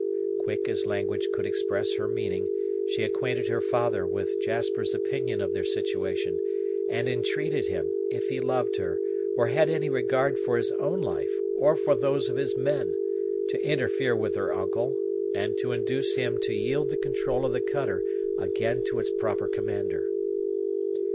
Quick as language could express her meaning, she acquainted her father with Jasper's opinion of their situation; and entreated him, if he loved her, or had any regard for his own life, or for those of his men, to interfere with her uncle, and to induce him to yield the control of the cutter again to its proper commander.